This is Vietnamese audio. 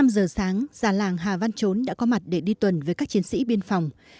năm giờ sáng già làng hà văn chốn đã có mặt để đi tuần với các chiến sĩ biên phòng